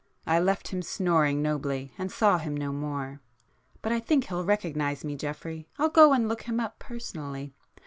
I left him snoring nobly, and saw him no more. But I think he'll recognize me, Geoffrey;—I'll go and look him up personally.